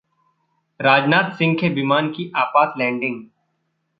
राजनाथ सिंह के विमान की आपात लैंडिंग